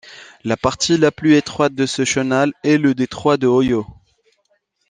La partie la plus étroite de ce chenal est le détroit de Hoyo.